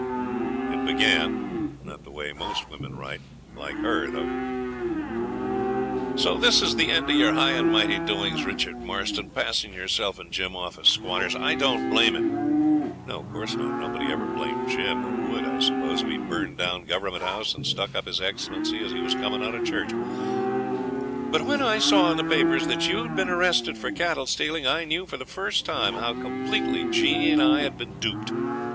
It began not the way most women write, like HER, though So this is the end of your high and mighty doings, Richard Marston, passing yourself and Jim off as squatters. I don't blame him [no, of course not, nobody ever blamed Jim, or would, I suppose, if he'd burned down Government House and stuck up his Excellency as he was coming out of church] but when I saw in the papers that you had been arrested for cattle stealing I knew for the first time how completely Jeanie and I had been duped.